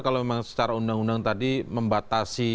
kalau memang secara undang undang tadi membatasi